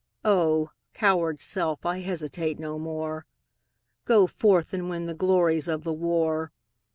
O! coward self I hesitate no more; Go forth, and win the glories of the war.